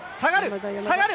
下がる！